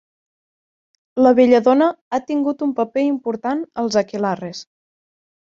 La belladona ha tingut un paper important als aquelarres.